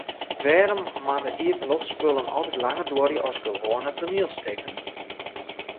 Wêrom moatte iepenloftspullen altyd langer duorje as gewoane toanielstikken?